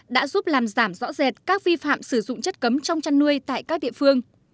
đã giúp làm giảm rõ rệt các vi phạm sử dụng chất cấm trong chăn nuôi tại các địa phương